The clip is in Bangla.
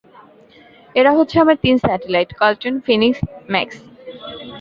এরা হচ্ছে আমার তিন স্যাটেলাইটঃ কল্টন, ফিনিক্স, ম্যাক্স।